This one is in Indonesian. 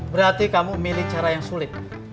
berarti kamu milih cara yang sulit